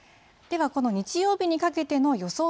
ではこの日曜日にかけての予想